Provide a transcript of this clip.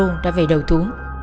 phun rô đã về đầu thú